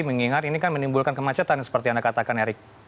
mengingat ini kan menimbulkan kemacetan seperti anda katakan erick